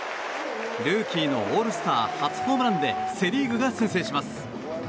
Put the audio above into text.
ルーキーのオールスター初ホームランでセ・リーグが先制します。